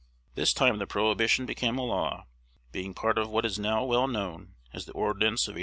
This time the prohibition became a law, being part of what is now well known as the Ordinance of '87.